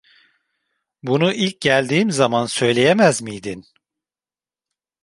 Bunu ilk geldiğim zaman söyleyemez miydin?